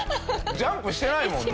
ジャンプしてないもんね。